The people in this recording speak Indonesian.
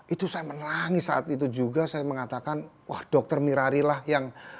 itu saya menangis saat itu juga saya mengatakan wah dr mirari lah yang